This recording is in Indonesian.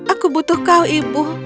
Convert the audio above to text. aku butuh kau ibu